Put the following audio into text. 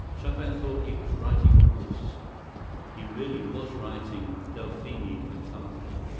Chopin thought he was writing a waltz. He really was writing "Delphine Potocka."